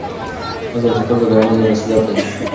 نظم ساتل د کورنۍ یوه مسؤلیت ده.